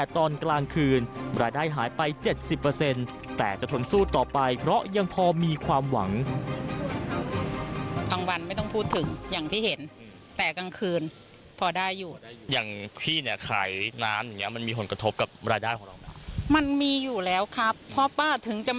ตอนกลางคืนรายได้หายไป๗๐แต่จะทนสู้ต่อไปเพราะยังพอมีความหวัง